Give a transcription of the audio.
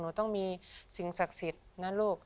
หนูต้องมีสิ่งศักดิ์สิทธิ์นะลูก